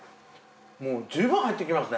もう十分入ってきますね。